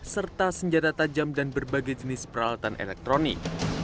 serta senjata tajam dan berbagai jenis peralatan elektronik